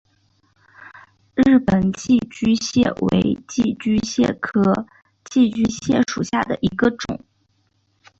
日本寄居蟹为寄居蟹科寄居蟹属下的一个种。